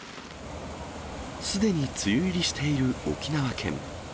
すでに梅雨入りしている沖縄県。